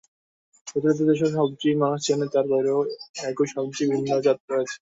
প্রচলিত যেসব সবজি মানুষ চেনে, তার বাইরেও একই সবজির ভিন্ন জাত রয়েছে।